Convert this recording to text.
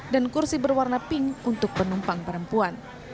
dan kursi berwarna pink untuk penumpang perempuan